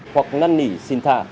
hoặc năn nỉ xin tha